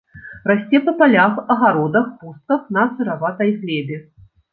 Расце па палях, агародах, пустках, на сыраватай глебе.